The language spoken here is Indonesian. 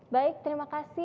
baik terima kasih